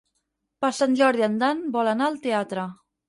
Per Sant Jordi en Dan vol anar al teatre.